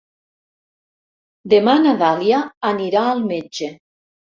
Demà na Dàlia anirà al metge.